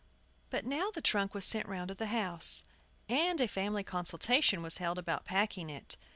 But now the trunk was sent round to the house, and a family consultation was held about packing it.